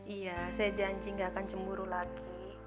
iya saya janji gak akan cemburu lagi